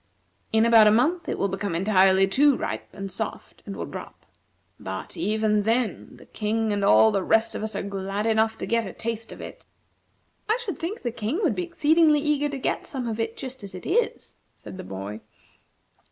In about a month it will become entirely too ripe and soft, and will drop. But, even then, the King and all the rest of us are glad enough to get a taste of it." "I should think the King would be exceedingly eager to get some of it, just as it is," said the boy.